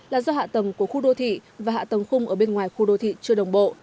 là do hạ tầng của khu đô thị và hạ tầng khung ở bên ngoài khu đô thị chưa đồng bộ